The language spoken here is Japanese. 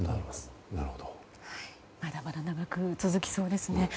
まだまだ長く続きそうですね。